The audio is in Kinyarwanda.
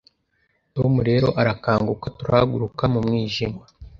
Tom rero arakanguka turahaguruka mu mwijima